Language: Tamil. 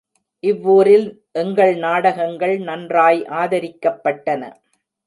இவ்வூரில் எங்கள் நாடகங்கள் நன்றாய் ஆதரிக்கப் பட்டன.